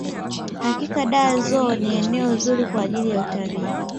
hakika dar zoo ni eneo zuri kwa ajiri ya utalii